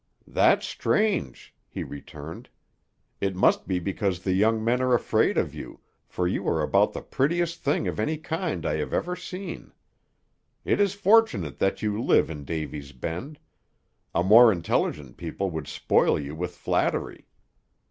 "That's strange," he returned. "It must be because the young men are afraid of you, for you are about the prettiest thing of any kind I have ever seen. It is fortunate that you live in Davy's Bend; a more intelligent people would spoil you with flattery.